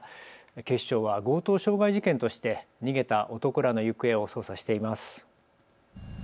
警視庁は強盗傷害事件として逃げた男らの行方を捜査しています。